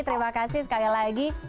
terima kasih sekali lagi